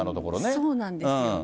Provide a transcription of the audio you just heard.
そうなんですよね。